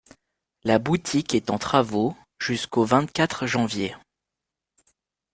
La boutique est en travaux jusqu'au vingt-quatre janvier.